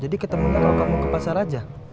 jadi ketemu gak kalau kamu mau ke pasar aja